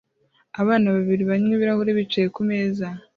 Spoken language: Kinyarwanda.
Abana babiri banywa ibirahuri bicaye ku meza